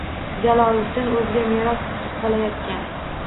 Jaloliddin o‘ziga meros qolayotgan.